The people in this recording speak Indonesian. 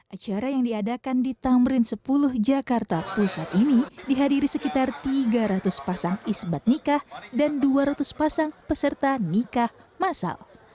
acara yang diadakan di tamrin sepuluh jakarta pusat ini dihadiri sekitar tiga ratus pasang isbat nikah dan dua ratus pasang peserta nikah masal